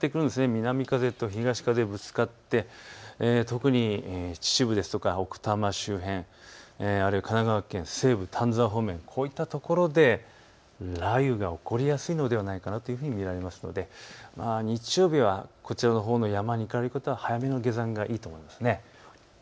南風と東風がぶつかって特に秩父や奥多摩周辺、あるいは神奈川県西部、丹沢方面、こういった所で雷雨が起こりやすいのではないかというふうに見られますので日曜日はこちらの方面、山に行く方は早めの下山がいいと思います。